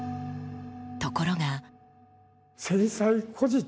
ところが。